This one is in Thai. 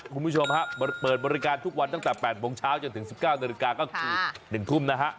คุณผู้ชมฮะเปิดบริการทุกวันตั้งแต่๘โมงเช้าจนถึง๑๙นาฬิกาก็คือ๑ทุ่มนะฮะ